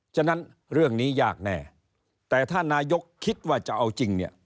ฉะนั้นเรื่องนี้ยากแน่แต่ถ้านายกคิดว่าจะเอาจริงเนี่ย